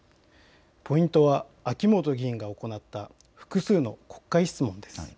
ポイントは秋本議員が行った複数の国会質問です。